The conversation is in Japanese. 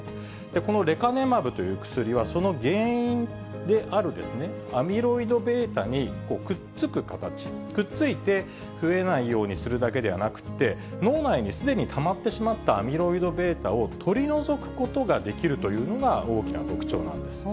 このレカネマブという薬は、その原因であるアミロイドβにくっつく形、くっついて、増えないようにするだけではなくって、脳内にすでにたまってしまったアミロイドβを取り除くことができるというのが大きな特徴なんです。